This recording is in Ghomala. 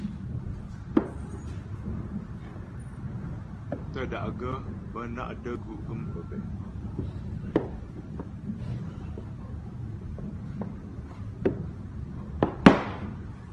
Tə́da'gaə́ bə́ ná’ də́gú' gə́m pəbɛ̂.